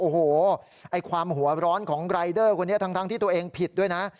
โอ้โหความหัวร้อนของรายเดอร์คนนี้ทั้งที่ตัวเองผิดด้วยนะ